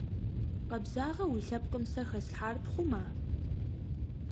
Къэбзагъэу уи лъэпкъым сэ хэслъхьар пхъума?